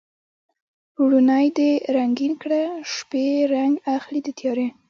پوړونی دې رنګین کړه شپې رنګ اخلي د تیارې